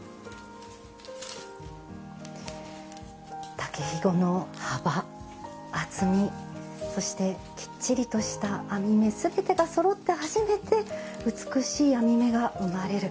竹ひごの幅厚みそしてきっちりとした編み目全てがそろって初めて美しい編み目が生まれる。